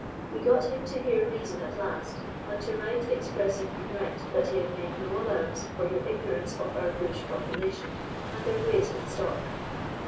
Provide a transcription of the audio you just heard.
We got him to hear reason at last, and to write expressing regret that he had made no allowance for your ignorance of our bush population, and their ways with stock.